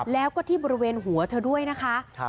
แล้วก็ที่บริเวณหัวเธอด้วยนะคะ